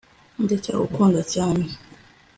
ndacyagukunda cyane